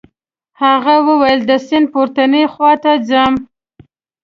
هغه وویل د سیند پورتنۍ خواته ځم.